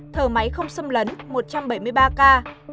thở máy không xâm lấn một trăm bảy mươi ba ca